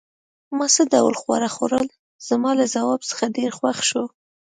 ما څه ډول خواړه خوړل؟ زما له ځواب څخه ډېر خوښ شو.